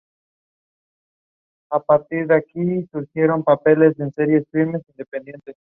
Las piezas móviles del altavoz deben ser de masa baja.